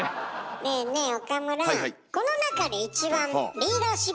ねえねえ岡村。